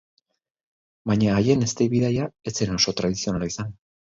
Baina haien eztei-bidaia ez zen oso tradizionala izan.